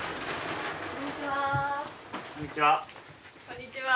こんにちは。